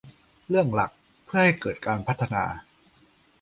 เรื่องหลักเพื่อให้เกิดการพัฒนา